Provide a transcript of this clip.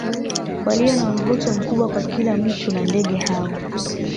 Walio na mvuto mkubwa kwa kila mtu na ndege hao